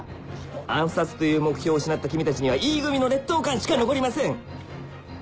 暗殺という目標を失った君たちにはＥ組の劣等感しか残りません